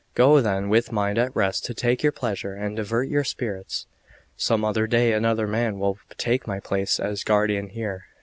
Go then with mind at rest to take your pleasure and divert your spirits. Some other day another man will take my place as guardian here."